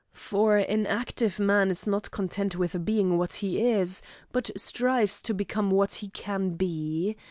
For an active man is not content with being what he is, but strives to become what he can be.